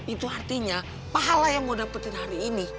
itu artinya pahala yang mau dapetin hari ini